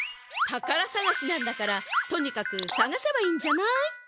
たからさがしなんだからとにかくさがせばいいんじゃない？